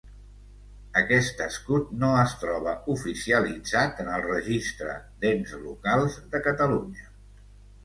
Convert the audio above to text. Aquest escut no es troba oficialitzat en el Registre d'ens locals de Catalunya.